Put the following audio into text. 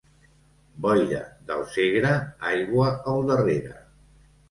Boira del Segre, aigua al darrere.